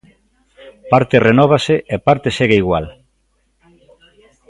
Parte renóvase e parte segue igual.